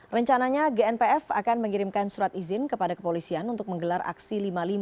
rencananya gnpf akan mengirimkan surat izin kepada kepolisian untuk menggelar aksi lima puluh lima